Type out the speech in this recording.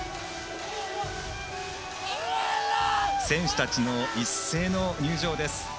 選手たちの一斉の入場です。